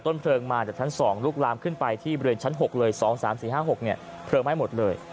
เพลิงมาจากชั้น๒ลุกลามขึ้นไปที่บริเวณชั้น๖เลย๒๓๔๕๖เพลิงไหม้หมดเลย